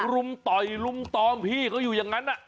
รุมต่อยรุมตอมพี่เขาอยู่อย่างนั้น